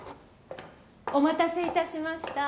お待たせ致しました。